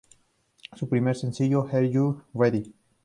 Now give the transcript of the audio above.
Su primer sencillo, "Are You Ready?